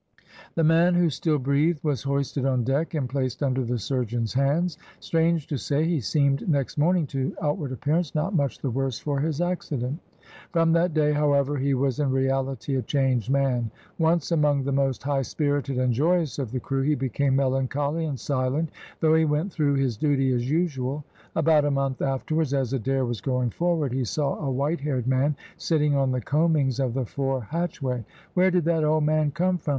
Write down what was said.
The man, who still breathed, was hoisted on deck, and placed under the surgeon's hands. Strange to say, he seemed next morning to outward appearance not much the worse for his accident. From that day, however, he was in reality a changed man. Once among the most high spirited and joyous of the crew, he became melancholy and silent, though he went through his duty as usual. About a month afterwards, as Adair was going forward, he saw a whitehaired man sitting on the coamings of the fore hatchway. "Where did that old man come from?"